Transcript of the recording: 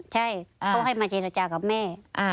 ใช่เขาให้มาเจรจากับแม่